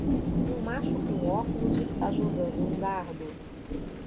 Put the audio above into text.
Um macho com óculos está jogando um dardo.